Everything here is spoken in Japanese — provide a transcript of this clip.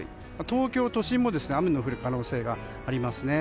東京都心も雨の降る可能性がありますね。